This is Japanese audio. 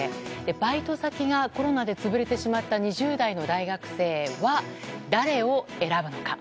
バイト先がコロナで潰れてしまった２０代の大学生は誰を選ぶのか。